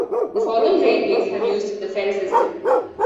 The following railways have used the Fell system.